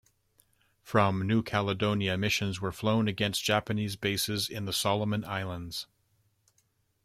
From New Caledonia, missions were flown against Japanese bases in the Solomon Islands.